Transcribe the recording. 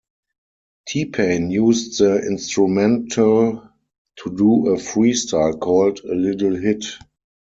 T-Pain used the instrumental to do a freestyle called A Little Hit.